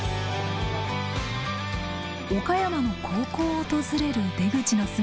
岡山の高校を訪れる出口の姿があった。